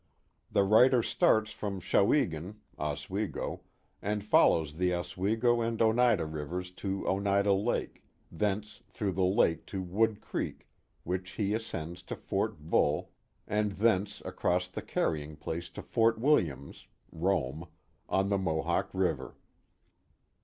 The writer starts from Chouegen (Oswego) and follows the Oswego and Oneida rivers to Oneida Lake thence through the lake to Wood Creek which he ascends to Fort Bull and 430 The Mohawk Valley thence across the carrying place to Fort Williams (Rome) on the Mohawk River.